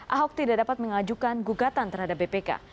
ahok tidak dapat mengajukan gugatan terhadap bpk